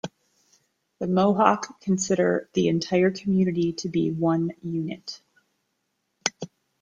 The Mohawk consider the entire community to be one unit.